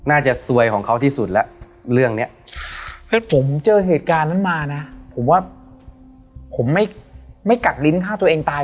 อาจารย์เหตุการณ์นั้นมานะผมว่าผมไม่กักลิ้นคนตัวเองตาย